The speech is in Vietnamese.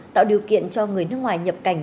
tạo điều kiện cho người nước ngoài nhập cảnh